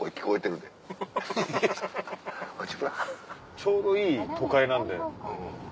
ちょうどいい都会なんで。